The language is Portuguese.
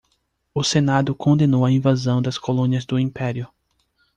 O senado condenou a invasão das colônias do império.